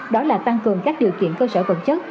đó là tăng cường các điều kiện cơ sở vật chất